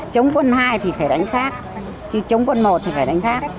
chống quân hai thì phải đánh khác chứ chống quân một thì phải đánh khác